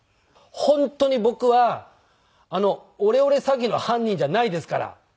本当に僕はオレオレ詐欺の犯人じゃないですから。